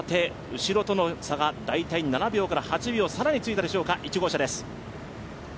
後ろとの差が大体７秒から８秒、更についたでしょうか、１号車です。